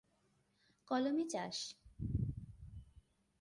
কলমে চাষ।